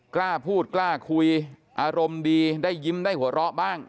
กล้าพูดกล้าคุยอารมณ์ดีได้ยิ้มได้หัวเราะบ้าง